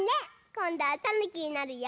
こんどはたぬきになるよ。